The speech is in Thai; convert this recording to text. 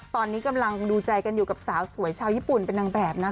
ตอนนี้กำลังดูใจกันอยู่กับสาวสวยชาวญี่ปุ่นเป็นนางแบบนะคะ